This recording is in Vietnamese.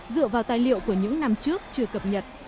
dựa vào tài liệu của những năm trước chưa cập nhật